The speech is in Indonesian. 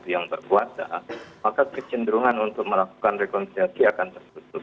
yang berkuasa maka kecenderungan untuk melakukan rekonsiliasi akan tertutup